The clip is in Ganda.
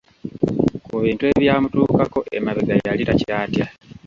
Ku bintu ebyamutuukako emabega, yali takyatya.